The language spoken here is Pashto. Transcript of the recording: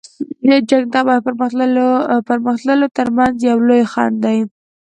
جنګ د تباهۍ او پرمخ تللو تر منځ یو لوی خنډ دی.